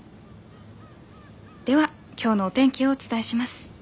では今日のお天気をお伝えします。